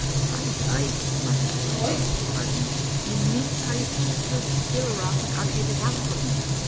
"Ay, ay," muttered Wearjrworld, departing, "you micht hae stood still, Rob, and argued it out wi' me.